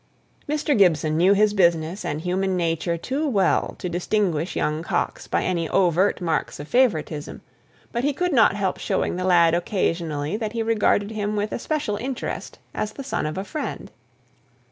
Mr. Gibson knew his business and human nature too well to distinguish young Coxe by any overt marks of favouritism; but he could not help showing the lad occasionally that he regarded him with especial interest as the son of a friend.